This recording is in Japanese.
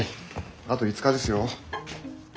あと５日ですよ。